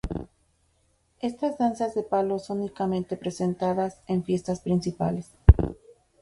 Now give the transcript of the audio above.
Estas danzas de palo son únicamente presentadas en fiestas principales.